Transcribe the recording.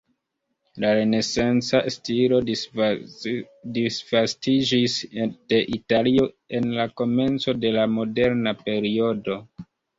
La renesanca stilo disvastiĝis de Italio en la komenco de la moderna periodo.